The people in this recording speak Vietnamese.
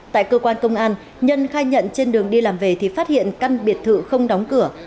tại cơ quan công an nhân khai nhận trên đường đi làm về thì phát hiện căn biệt thự không đóng cửa